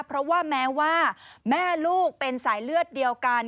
เพราะว่าแม้ว่าแม่ลูกเป็นสายเลือดเดียวกัน